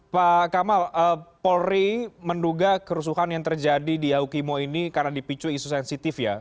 pak kamal polri menduga kerusuhan yang terjadi di yaukimo ini karena dipicu isu sensitif ya